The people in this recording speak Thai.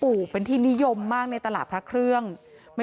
เพราะทนายอันนันชายเดชาบอกว่าจะเป็นการเอาคืนยังไง